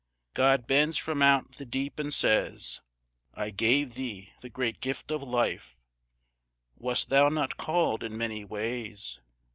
God bends from out the deep and says, "I gave thee the great gift of life; Wast thou not called in many ways?